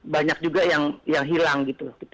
banyak juga yang hilang gitu